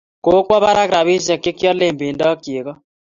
Kokwa bara rapishek che kialen pendo ak cheko